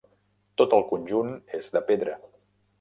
Tot el conjunt és de pedra.